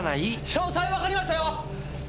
詳細わかりました！